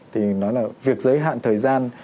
thì nó là việc giới hạn thời gian